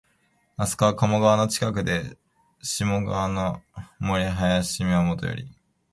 あそこは鴨川の近くで、下鴨の森林美はもとより、